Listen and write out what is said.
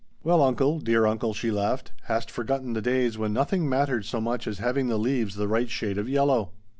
"Well, uncle, dear uncle," she laughed, "hast forgotten the days when nothing mattered so much as having the leaves the right shade of yellow?"